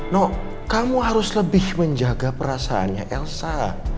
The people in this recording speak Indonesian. nok kamu harus lebih menjaga perasaannya elsa